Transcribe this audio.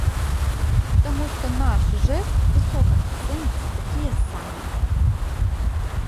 Таму што наш жэст высока ацэняць такія самыя.